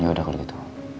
yaudah kalau gitu